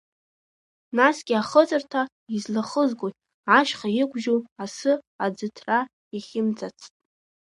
Насгьы ахыҵырҭа излахызгои, ашьха иқәжьу асы аӡыҭра иахьымӡацт.